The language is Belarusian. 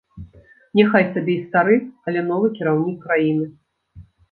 Няхай сабе і стары, але новы кіраўнік краіны.